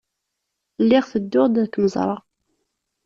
Lliɣ tedduɣ-d ad kem-ẓreɣ.